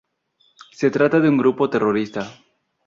Se trata de un grupo terrorista.